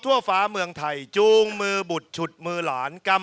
ทั่วฝาเมืองไทย